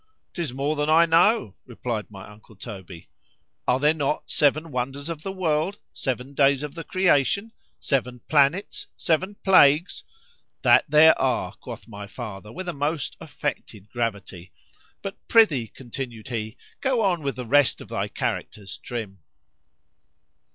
—'Tis more than I know, replied my uncle Toby.——Are there not seven wonders of the world?——Seven days of the creation?——Seven planets?——Seven plagues?——That there are, quoth my father with a most affected gravity. But prithee, continued he, go on with the rest of thy characters, _Trim.